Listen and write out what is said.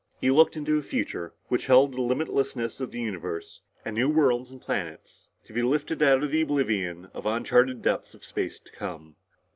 He looked into a future which held the limitlessness of the universe and new worlds and planets to be lifted out of the oblivion of uncharted depths of space to come.